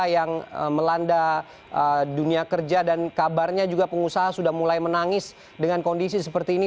yang melanda dunia kerja dan kabarnya juga pengusaha sudah mulai menangis dengan kondisi seperti ini